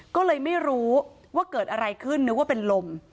ก็เลยไม่รู้ว่าเกิดอะไรขึ้นนึกว่าเป็นลม